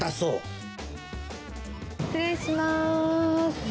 失礼します。